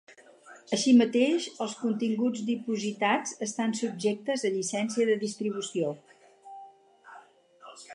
Així mateix, els continguts dipositats estan subjectes a llicència de distribució.